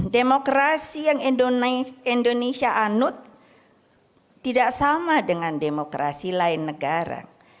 demokrasi yang indonesia anut tidak sama dengan demokrasi lain negara